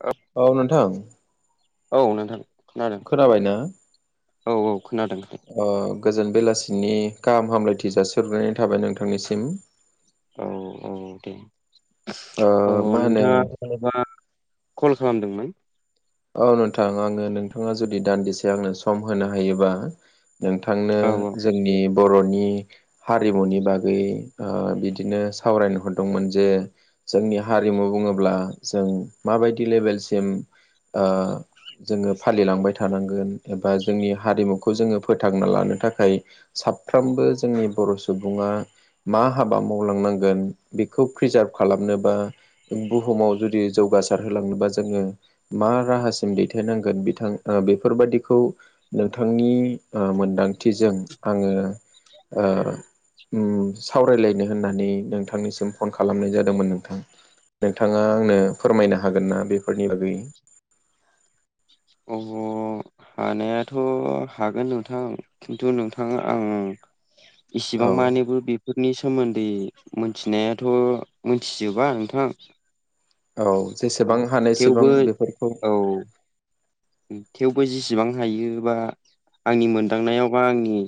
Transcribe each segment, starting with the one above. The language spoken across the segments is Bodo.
औ। औ नोंथां? औ नोंथां खोनादों खोनाबायना औ औ खोनादों। गोजोन बेलासिनि गाहाम हामलायथि जासिग्रोनाय थाबाय नोंथांनिसिम। औ औ दे ओ औ मा होनो नोंथाङा मानोबा कल खालामदोंमोन? औ नोंथां आङो नोंथाङा जुदि दान्दिसे आंनो सम होनो हायोबा नोंथांनो औ औ जोंनि बर'नि हारिमुनि बागै बिदिनो सावरायनो हरदोंमोन जे जोंनि हारिमु बुङोब्ला जों माबायदि लेभेलसिम ओ जोङो फालिलांबाय थानांगोन एबा जोंनि हारिमुखौ जोङो फोथांना लानो थाखाय साफ्रोमबो जोंनि बर' सुबुङा मा हाबा मावलांनांगोन बेखौ प्रिजार्भ खालामनोबा बुहुमाव जुदि जौगासार होलांनोबा जोङो मा राहासिम दैथायनांगोन बिथां ओ बेफोरबादिखौ नोंथांनि ओ मोनदांथिजों आङो ओ ओम सावरायलायनो होननानै नोंथांनिसिम फन खालामनाय जादोंमोन नोंथां। नोंथाङा आंनो फोरमायनो हागोन ना बेफोरनि बागै। [unintelligible] हानायाथ' हागोन नोंथां खिन्थु नोंथाङा आं इसिबां औ मानिबो बे बेफोरनि सोमोन्दै मिथिनायाथ' मिथिजोबा नोंथां। औ औ जेसेबां हानायसेबां थेवबो बेफोरखौ औ थेवबो जिसिबां हायो बा आंनि मोनदांनायाव बा आंनि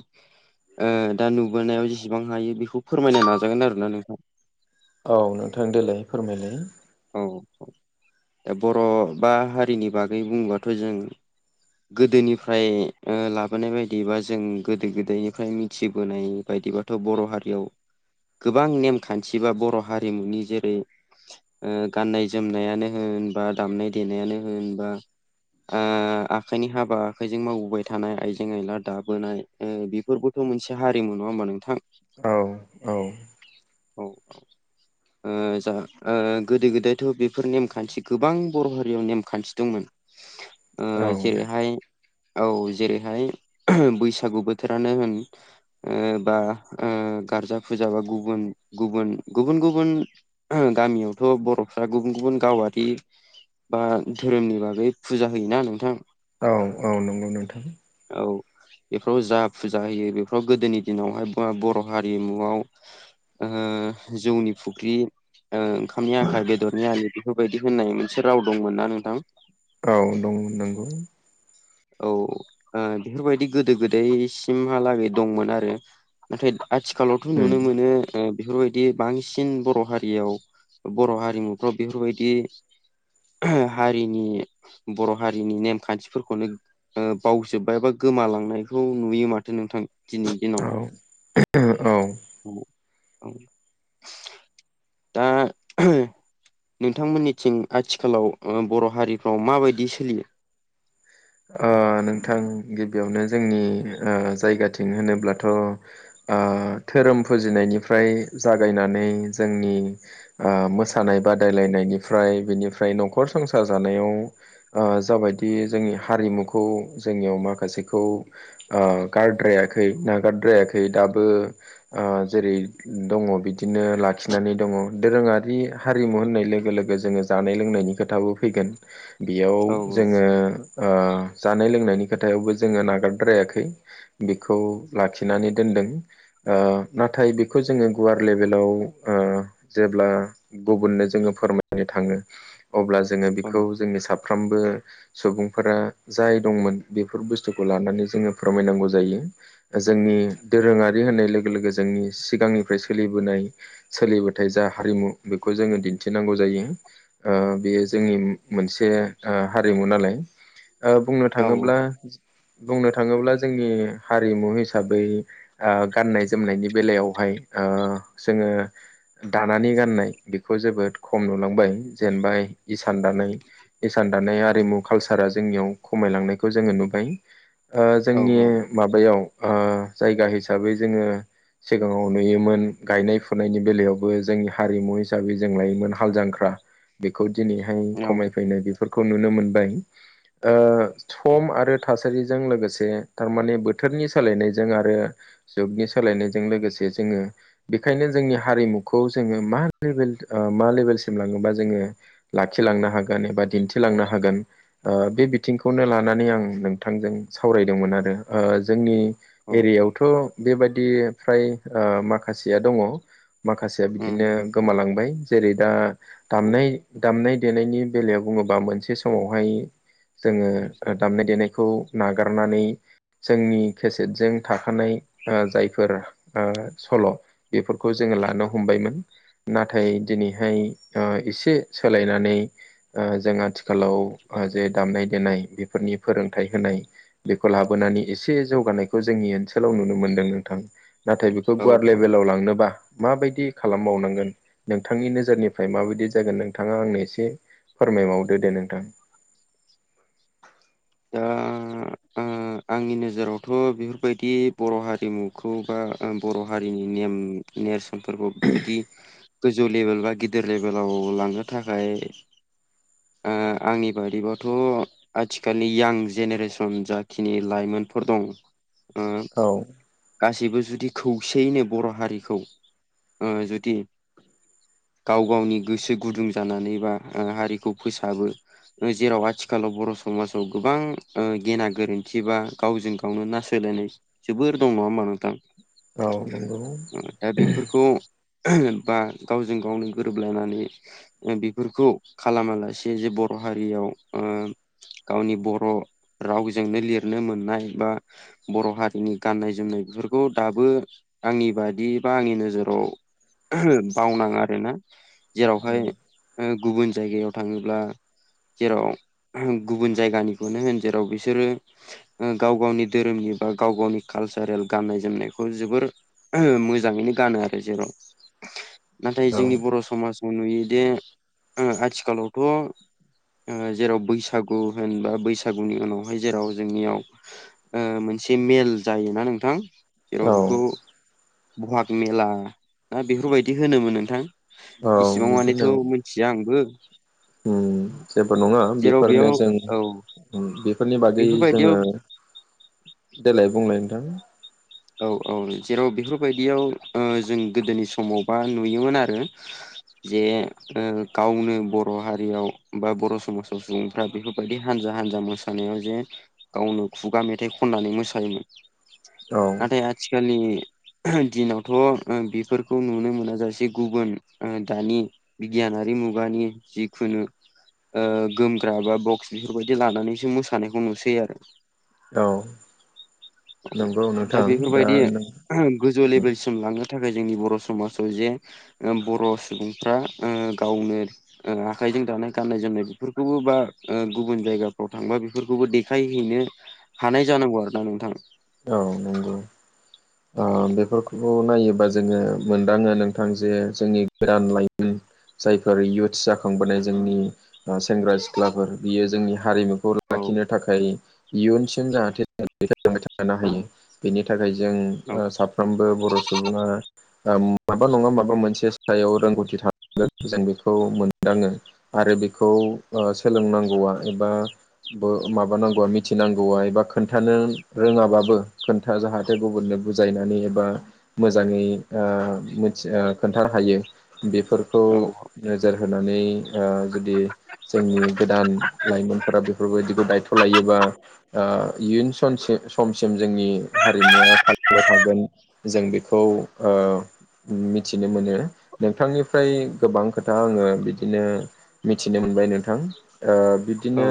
ओ दा नुबोनायाव जेसेबां हायो बेखौ फोरमायनो नाजागोन आरो ना नोंथां। औ नोंथां देलाय फोरमायलाय औ ओ बर' बा हारिनि बागै बुंबाथ' जों गोदोनिफ्राय लाबोनाय बायदि बा जों गोदो गोदायनिफ्राय मिथिबोनाय बायदिबा थ बर' हारियाव गोबां नेमखान्थि बा बर' हारिमुनि जेरै ओ गाननाय जोमनायानो होन बा दामनाय देनायानो होन बा ओ आखाइनि हाबा आखाइजों मावबोबाय थानाय आइजें आयला दाबोनाय ओम बिफोरबोथ' मोनसे हारिमु नङा होमबा नोंथां औ औ। औ ओ आ जा ओ गोदो गोदायथ' बेफोर नेमखान्थि गोबां बर' हारियाव नेमखान्थि दंमोन। ओ औ जेरैहाय औ जेरैहाय बैसागु बोथोरानो होन ओ बा ओ गारजा फुजा बा गुबुन गुबुन गुबुन गुबुन गामियावथ' बर'फ्रा गुबुन गुबुन गावारि बा धोरोमनि बागै फुजा होयोना नोंथां औ औ नंगौ नोंथां। औ। बेफोराव जा फुजा होयो बेफोराव गोदोनि दिनावहाय बर' हारिमुआव ओ जौनि फुख्रि ओ ओंखा मनि आखाइ बेदरनि आलि बेफोरबायदि होननाय मोनसे राव दंमोन ना नोंथां औ दं नोंगौ। औ ओ बेफोरबायदि गोदो गोदायसिमहालागै दंमोन आरो नाथाय आथिखालावथ' उम नुनो मोनो। बेफोरबायदि बांसिन बर' हारियाव बर' हारिमुफ्राव बेफोरबायदि हारिनि बर' हारिनि नेमखान्थिफोरखौनो ओ बावजोब्बाय बा गोमालांनायखौ नुयो माथो नोंथां दिनैनि दिनाव‌। औ औ औ औ। दा नोंथांमोननिथिं आथिखालाव ओ बर' हारिफ्राव माबायदि सोलियो ओ नोंथां गिबियावनो जोंनि जायगाथिं होनोब्लाथ' ओ धोरोम फुजिनायनिफ्राय जागायनानै जोंनि ओ मोसानाय बादायलायनायनिफ्राय बेनिफ्राय न'खर संसार जानायाव जाबायदि जोंनि हारिमुखौ जोंनियाव माखासेखौ ओ गारद्रायाखै नागारद्रायाखै दाबो ओ जेरै दङ बिदिनो लाखिनानै दङ दोरोङारि हारिमु होननाय लोगो लोगो जोङो जानाय लोंनायनि खोथाबो फैगोन बेयाव औ जोङो ओ जानाय लोंनायनि खोथायावबो जोङो नागारद्रायाखै बेखौ लाखिनानै दोनदों। नाथाय बेखौ जोङो गुवार लेभेलाव जेब्ला गुबुननो जोङो फोरमायनो थाङो अब्ला जोङो औ बिखौ जोंनि साफ्रोमबो सुबुं फोर जाय दंमोन बेफोर बुस्थुखौ लानानै जोङो फोरमायनांगौ जायो। जोंनि दोरोङारि होननाय लोगो लोगो जोंनि सिगांनिफ्राय सोलिबोनाय सोलिबोथाय जा हारिमु बेखौ जोङो दिन्थिनांगौ जायो। बेयो जोंनि मोनसे हारिमु नालाय बुंनो औ थाङोब्ला बुंनो थाङोब्ला जोंनि हारिमु हिसाबै गाननाय जोमनायनि बेलायावहाय जोङो दानानै गाननाय बेखौ जोबोद खम नुलांबाय जेनेबा इसान दानाय इसान दानाय आरिमु कालसारा जोंनियाव खमायलांनायखौ जोङो नुबाय औ जोंनि माबायाव जायगा हिसाबै जोङो सिगाङाव नुयोमोन गायनाय फुनायनि बेलायावबो जोंनि हारिमु हिसाबै जों लायोमोन हाल जांक्रा बेखौ दिनैहाय औ खमायफैनाय बेफोरखौ नुनो मोनबाय सम आरो थासारिजों लोगोसे थारमाने बोथोरनि सोलायनायजों आरो जुगनि सोलायनायजों लोगोसे जोङो बेखायनो जोंनि हारिमुखौ जोङो मा लेभेल मा लेभेलसिम लाङोबा जोङो। लाखिलांनो हागोन एबा दिन्थिलांनो हागोन। बे बिथिंखौनो लानानै आं नोंथांजों सावरायदोंमोन आरो जोंनि औ एरियायावथ' बेबायदि फ्राय माखासेया दङ। माखासेया बिदिनो उम गोमालांबाय जेरै दा दामनाय दामनाय देनायनि बेलायाव बुङोबा मोनसे समावहाय जोङो दामनाय देनायखौ नागारनानै जोंनि केसेटजों थाखानाय जायफोर सल' बेफोरखौ जोङो लानो हमबायमोन नाथाय दिनैहाय एसे सोलायनानै जों आथिखालाव जे दामनाय देनाय बेफोरनि फोरोंथाइ होनाय बेखौ लाबोनानै एसे जौगानायखौ जोंनि ओनसोलाव नुनो मोनदों नोंथां। नाथाय बेखौ औ गुवार औ लेभेलाव लांनोबा माबायदि खालामबावनांगोन नोंथांनि नोजोरनिफ्राय माबायदि जागोन नोंथाङा आंनो एसे फोरमायबावदो दे नोंथां। दा ओ आंनि नोजोरावथ' बेफोरबायदि बर' हारिमुखौ बा बर' हारिनि नेम नेरसोनफोरखौ जुदि गोजौ लेभेल बा गिदिर लेभेलाव लांनो थाखाय आंनि बाददिबाथ' आथिखालनि यां जेनेरेसन जाखिनि लाइमोनफोर दं औ गासैबो जुदि खौसेयैनो बर' हारिखौ जुदि गाव गावनि गोसो गुदुं जानानै बा हारिखौ फोसाबो जेराव आथिखालाव बर' समाजाव गोबां गेना गोरोन्थि बा गावजों गाव बेयावनो ना सोलायनाय जोबोर दं नङा होमबा नोंथां औ नंगौ दा बे बेफोरखौ बा गावजों गावनो गोरोबलायनानै बेफोरखौ। खालामालासे जे बर' हारियाव। गावनि बर' रावजोंनो लिरनो मोननाय बा बर' हारिनि गाननाय जोमनाय बेफोरखौ दाबो आंनि बादि बा आंनि नोजोराव। बावनाङो आरोना जेरावहाय उम गुबुन जायगायाव थाङोब्ला जेराव गुबुन जायगानिखौनो होन जेराव बिसोरो गाव गावनि धोरोमनि बा गाव गावनि कालसारेल गाननाय जोमनायखौ जोबोर मोजाङैनो गानो आरो जेराव नाथाय औ जोंनि बर' समाजाव नुयोदि। आथिखालावथ' जेराव बैसागु होनबा बैसागुनि उनावहाय जेराव जोंनियाव मोनसे मेल जायोना नोंथां। जेराव औ बेखौ बहाग मेला ना बेफोरबायदि होनोमोन नोंथां? औ इसिबां मानिथ' बिदिनो मिथिया आंबो। जेबो नङा जेराव बेफोरनो बेयाव जों औ बेफोरनि बागै जोङो बेफोरबायदियाव देलाय बुंलाय नोंथां। औ औ जेराव बेफोरबायदियाव जों गोदोनि समावबा नुयोमोन आरो जे गावनो बर' हारियाव बा बर' समाजाव सुबुंफ्रा बेफोरबायदि हानजा हानजा मोसा मोसानायाव जे गावनो खुगा मेथाइ खननानै मोसायोमोन। औ। नाथाय आथिखालनि दिनावथ' बेफोरखौ नुनो मोन जाासे गुबुन दानि बिगियानारि मुगानि जिखुनु गोमग्रा बा बक्स बेफोरबायदि लानानैसो मोसानायखौ नुसै आरो। औ नंगौ नो दा बेफोरबायदि गोजौ लेभेलसिम लांनो थाखाय जोंनि बर' समाजाव जे बर' सुबुंफ्रा गावनो आखाइजों दानाय गाननाय जोमनाय बेफोरखौबो बा गुबुन जायगाफ्राव थांबा बेफोरखौबो देखायहैनो हानाय जानांगौ आरो ना नोंथां। औ नंगौ। ओ बेफोरखौल' खौ नायोबा जोङो मोनदाङो नोंथां जे जोंनि गोदान लाइमोन जायफोर युथ्स जाखांबोनाय जोंनि सेंग्रा सिख्लाफोर बियो जोंनि हारिमुखौ औ लाखिनो थाखाय इयुनसिम जाहाथे होनो हायो बेनि थाखाय औ जों साफ्रोमबो बर' सुबुङा माबा नङा माबा मोनसे सायाव रोंगौथि थांगोन जों बेखौ मोनदाङो। आरो बेखौ सोलोंनांगौआ एबा बो माबानांगौआ मिथिनांगौआ एबा खोन्थानो रोङाबाबो खोन्था जाहाथे गुबुननो बुजायनानै एबा मोजाङै ओ मिथि ओ खोन्थानो हायो बेफोर औ औ। नोजोर होनानै जुदि जोंनि गोदान लाइमोनफोरा बेफोरबायदिखौ दायथ' लायोबा इयुन सनसे समसिम जोंनि हारिमुवा थालांबाय थागोन जों बेखौ ओ मिथिनो मोनो। नोंथांनिफ्राय गोबां खोथा आङो बिदिनो मिथिनो मोनबाय नोंथां। ओ औ बिदिनो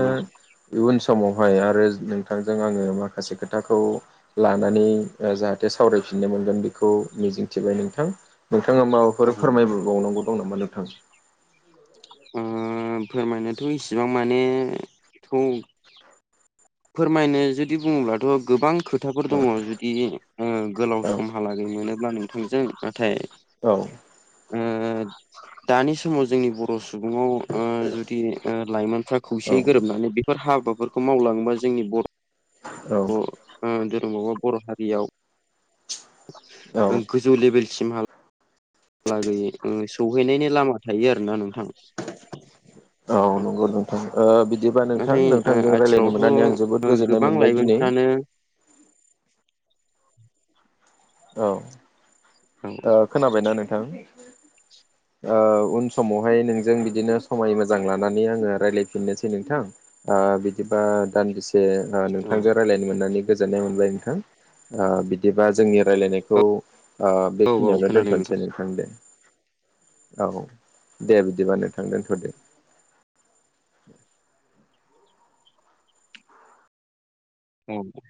इयुन समावहाय आरो नोंथांजों आङो माखासे खोथाखौ लानानै जाहाथे सावरायफिननो मोनगोन बेखौ मिजिंथिबाय नोंथां। नोंथाङा औ माबाफोर फोरमायबावनांगौ दं नामा नोंथां? फोरमायनोथ' इसिबां माने थौ फोरमायनो जुदि बुङोब्लाथ' गोबां खोथाफोर दङ जुदि गोलाव औ समहालागै मोनोब्ला नोंथांजों। नाथाय औ। [inaudible] दानि समाव जोंनि बर' सुबुङाव जुदि लाइमोनफ्रा औ खौसेयै गोरोबनानै बे फोर हाबाफोरखौ मावलाङोबा जोंनि बर' औ धोरोमावा बर' हारियाव औ [unintelligible] टु लेभेलसिमहालागैयै सौहैनायनि लामा थायो आरोना नोंथां। औ नंगौ नोंथां ओ बिदिबा [inaudible] नोंथां नाथाय नोंथांजों रायज्लायनो मोननानै आं जोबोद आथिखालावथ' गोजोननाय गोबां मोनबाय दिनै लाइमोनफ्रानो औ औ खोनाबायना नोंथां [inaudible] उन समावहाय नोंजों बिदिनो समाय मोजां लानानै आङो रायज्लायफिननोसै नोंथां बिदिबा दान्दिसे औ नोंथांजों रायज्लायनो मोननानै गोजोननाय मोनबाय नोंथां बिदिबा जोंनि रायज्लायनायखौ औ खिनियावनो खोनादों दोनथ'नोसै नोंथां दे औ दे बिदिबा नोंथां दोनथ'दो [unintelligible] औ दे